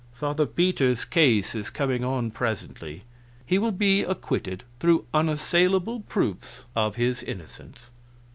"Father Peter's case is coming on presently. He will be acquitted, through unassailable proofs of his innocence."